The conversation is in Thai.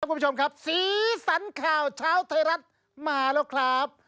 สวัสดีครับคุณผู้ชมครับศรีสรรค่าวเช้าไทยรัฐมาแล้วครับ